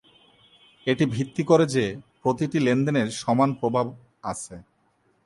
এটি ভিত্তি করে যে প্রতিটি লেনদেনের সমান প্রভাব আছে।